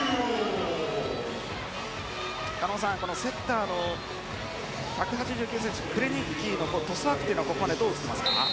狩野さん、セッターの１８９ｃｍのクレニッキーのトスワークはここまでどう映っていますか。